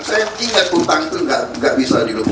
saya tingkat utang itu tidak bisa dilupi